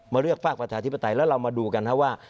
เลือกฝากประชาธิปไตยแล้วเรามาดูกันครับว่า